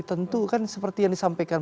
tentu kan seperti yang disampaikan